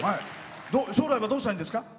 将来は、どうしたいんですか？